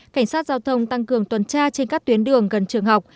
cảnh sát giao thông tăng cường tuần tra trên các tuyến đường gần trường học